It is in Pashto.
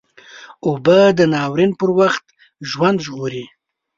اوبه د ناورین پر وخت ژوند ژغوري